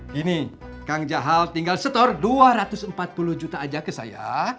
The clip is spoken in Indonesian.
gini kang jaha tinggal setor dua ratus empat puluh juta aja ke saya